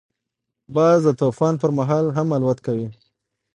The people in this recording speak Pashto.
باز د طوفان پر مهال هم الوت کوي